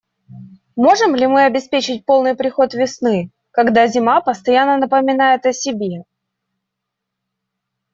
Можем ли мы обеспечить полный приход весны, когда зима постоянно напоминает о себе?